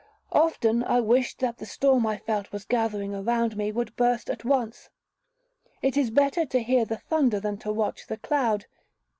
Often I wished that the storm I felt was gathering around me, would burst at once. It is better to hear the thunder than to watch the cloud.